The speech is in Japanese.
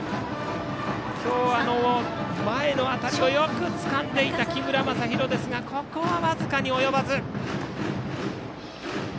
今日は、前の当たりもよくつかんでいた木村政裕ですがここは僅かに及ばず。